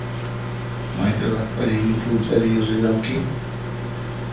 Maytataq qayninp'unchayri riranki?